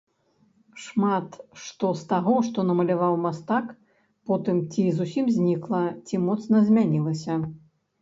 Шмат што з таго, што намаляваў мастак, потым ці зусім знікла, ці моцна змянілася.